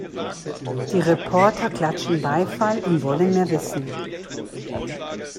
Die Reporter klatschen Beifall und wollen mehr wissen.